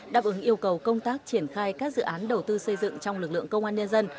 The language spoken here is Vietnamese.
đáp ứng yêu cầu công tác triển khai các dự án đầu tư xây dựng trong lực lượng công an nhân dân